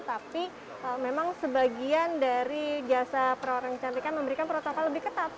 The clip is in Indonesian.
tapi memang sebagian dari jasa para orang yang dicantikan memberikan protokol lebih ketat